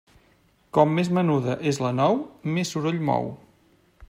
Com més menuda és la nou, més soroll mou.